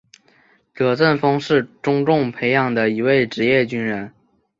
葛振峰是中共培养的一位职业军人。